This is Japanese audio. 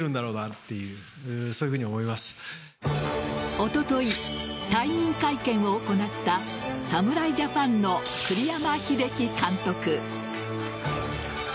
おととい、退任会見を行った侍ジャパンの栗山英樹監督。